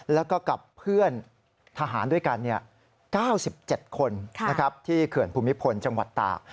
แล้วก็กับเพื่อนทหารด้วยกัน๙๗คนที่เขื่อนภูมิพลจังหวัดตาก